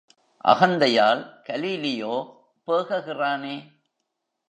அகந்தையால் Galileo பேககிறானே!